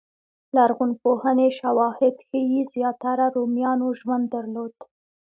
لرغونپوهنې شواهد ښيي زیاتره رومیانو ژوند درلود